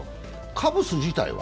カブス自体は？